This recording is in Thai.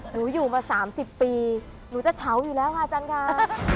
หนูอยู่มาสามสิบปีหนูจะเฉาะอยู่แล้วฮาจันทรา